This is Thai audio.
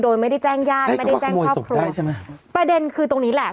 โดยไม่ได้แจ้งญาติไม่ได้แจ้งครอบครัวใช่ไหมประเด็นคือตรงนี้แหละ